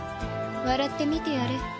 笑って見てやれ。